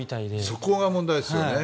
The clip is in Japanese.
そこは問題ですよね。